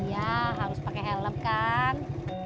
iya harus pake helm kan